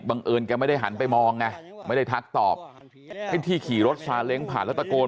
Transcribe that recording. เอิญแกไม่ได้หันไปมองไงไม่ได้ทักตอบไอ้ที่ขี่รถซาเล้งผ่านแล้วตะโกน